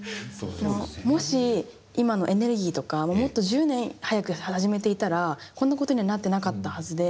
もし今のエネルギーとかもっと１０年早く始めていたらこんなことにはなってなかったはずで。